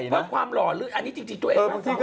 แล้วความหล่ออันนี้จริงตัวเองมาขอ